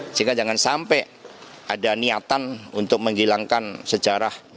sehingga jangan sampai ada niatan untuk menghilangkan sejarah